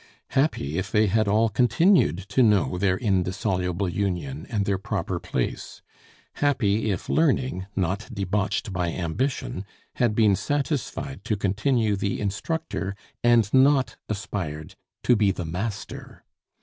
Happy if they had all continued to know their indissoluble union and their proper place! Happy if learning, not debauched by ambition, had been satisfied to continue the instructor, and not aspired to be the master!